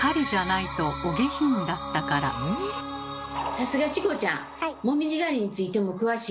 さすがチコちゃん！